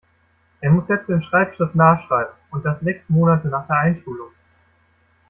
Er muss Sätze in Schreibschrift nachschreiben. Und das sechs Monate nach der Einschulung.